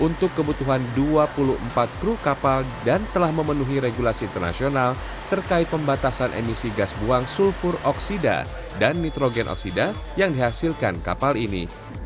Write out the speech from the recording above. untuk kebutuhan dua puluh empat kru kapal dan telah memenuhi regulasi internasional terkait pembatasan emisi gas buang sulfur oksida dan nitrogen oksida yang dihasilkan kapal ini